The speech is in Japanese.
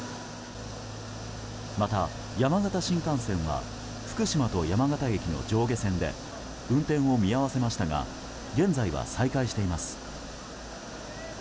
また、山形新幹線は福島と山形駅の上下線で運転を見合わせましたが現在は再開しています。